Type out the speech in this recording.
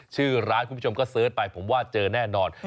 ชื่อร้านคุณผู้ชมก็เสิร์ชไปผมว่าเจอแน่นอน